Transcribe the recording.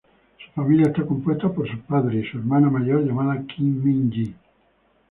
Su familia está compuesta por sus padres y su hermana mayor llamada Kim Min-ji.